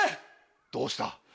どうした？